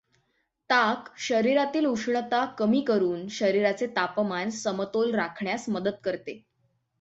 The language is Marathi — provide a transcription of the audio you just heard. ताक शरीरातील उष्णता कमी करून शरीराचे तापमान समतोल राखण्यास मदत करते.